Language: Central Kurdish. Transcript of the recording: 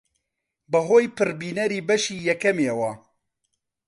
بەهۆی پڕبینەری بەشی یەکەمیەوە